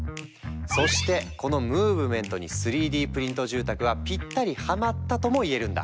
そしてこのムーブメントに３Ｄプリント住宅はぴったりハマったともいえるんだ。